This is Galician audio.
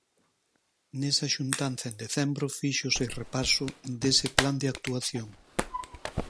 Nesa xuntanza en decembro fíxose repaso dese plan de actuación.